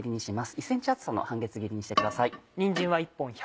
１ｃｍ厚さの半月切りにしてください。